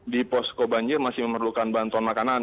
di posko banjir masih memerlukan bantuan makanan